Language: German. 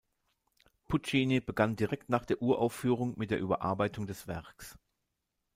Puccini begann direkt nach der Uraufführung mit der Überarbeitung des Werks.